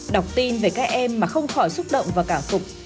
đọc tin về các em mà không khỏi xúc động và cảm phục